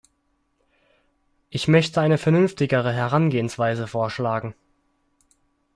Ich möchte eine vernünftigere Herangehensweise vorschlagen.